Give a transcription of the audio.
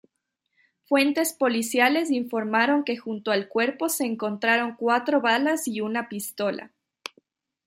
Fuentes policiales informaron que junto al cuerpo se encontraron cuatro balas y una pistola.